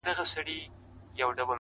هغې ويل ه نور دي هيڅ په کار نه لرم!